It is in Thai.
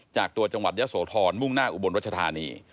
จากตัวจังหวัดยะโสธรมุ่งหน้าอุบลรัชธานี